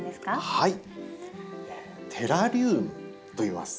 はいテラリウムといいます。